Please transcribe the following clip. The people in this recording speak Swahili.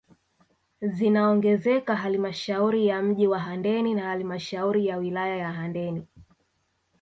Zinaongezeka halmashauri ya mji wa Handeni na halmashauri ya wilaya ya Handeni